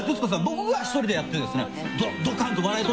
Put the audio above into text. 僕が一人でやってですねドカンと笑い取って。